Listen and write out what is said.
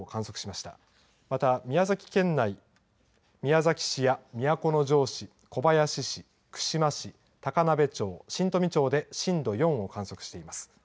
また宮崎県内、宮崎市や都城市、小林市、串間市、高鍋町、新富町で震度４を観測しています。